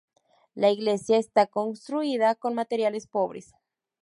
La iglesia está construida con materiales pobres.